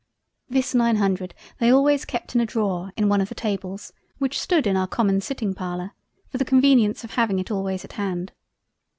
This nine Hundred they always kept in a Drawer in one of the Tables which stood in our common sitting Parlour, for the convenience of having it always at Hand.